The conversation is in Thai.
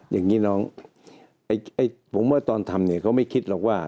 อย่างนี้น้องผมว่าตอนทำเนี่ยเขาไม่คิดหรอกว่า